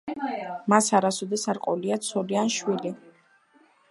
მას არასოდეს არ ყოლია ცოლი ან შვილი.